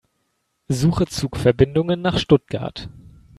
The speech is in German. Suche Zugverbindungen nach Stuttgart.